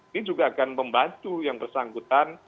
ini juga akan membantu yang bersangkutan